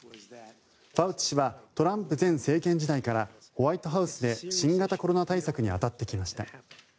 ファウチ氏はトランプ前政権時代からホワイトハウスで新型コロナ対策に当たってきました。